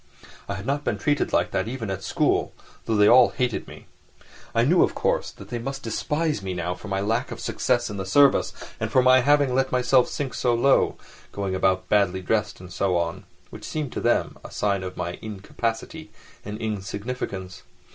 I had not been treated like that even at school, though they all hated me. I knew, of course, that they must despise me now for my lack of success in the service, and for my having let myself sink so low, going about badly dressed and so on—which seemed to them a sign of my incapacity and insignificance.